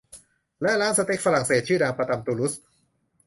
และร้านสเต็กฝรั่งเศสชื่อดังประจำตูลูส